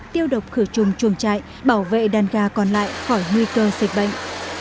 tiêu độc khử trùng chuồng trại bảo vệ đàn gà còn lại khỏi nguy cơ dịch bệnh